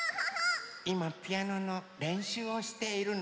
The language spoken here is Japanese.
いまピアノのれんしゅうをしているの。